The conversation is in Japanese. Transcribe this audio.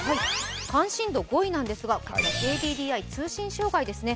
関心度５位なんですがＫＤＤＩ通信障害ですね。